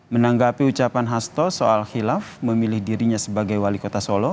menanggapi ucapan hasto soal khilaf memilih dirinya sebagai wali kota solo